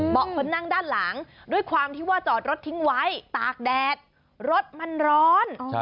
คนนั่งด้านหลังด้วยความที่ว่าจอดรถทิ้งไว้ตากแดดรถมันร้อน